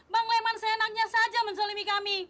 bang leman seenaknya saja menzolimi kami